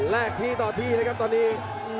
แลกทีต่อทีนะครับตอนนี้